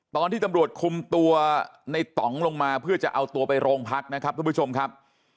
ตอนที่ตำรวจคลุมตัวในตองลงมาเพื่อจะเอาตัวไปโรงพักนะครับ